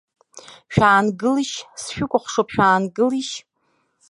Шәаангылишь, сшәыкәыхшоуп, шәаангылишь!